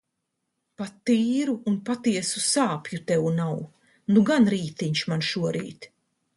Pat tīru un patiesu sāpju tev nav. Nu gan rītiņš man šorīt.